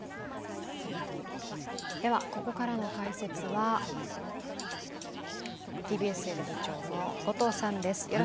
ここからの解説はＴＢＳ政治部長の後藤さんです。